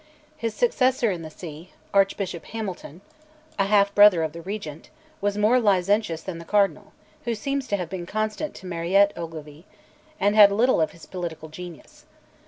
His successor in the see, Archbishop Hamilton, a half brother of the Regent, was more licentious than the Cardinal (who seems to have been constant to Mariotte Ogilvy), and had little of his political genius.